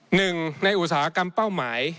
หนึ่งในอุตสาหกรรมเป้าหมาย